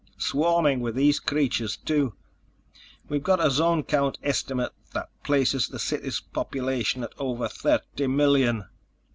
Swarming with these creatures, too. We've got a zone count estimate that places the city's population at over thirty million."